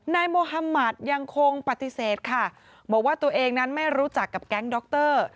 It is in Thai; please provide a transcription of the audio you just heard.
นายโมฮามัติยังคงปฏิเสธค่ะบอกว่าตัวเองนั้นไม่รู้จักกับแก๊งดร